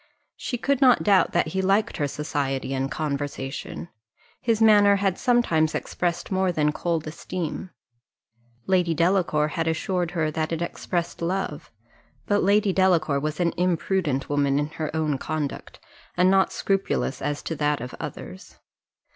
She could not doubt that he liked her society and conversation; his manner had sometimes expressed more than cold esteem. Lady Delacour had assured her that it expressed love; but Lady Delacour was an imprudent woman in her own conduct, and not scrupulous as to that of others.